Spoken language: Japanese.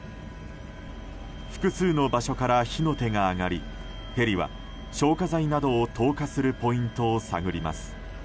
複数の場所から火の手が上がりヘリは消火剤などを投下するポイントを探ります。